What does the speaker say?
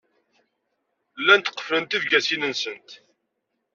Llant qefflent tibagusin-nsent.